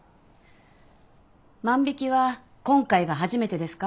万引は今回が初めてですか？